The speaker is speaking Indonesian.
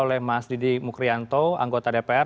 oleh mas didi mukrianto anggota dpr bang saur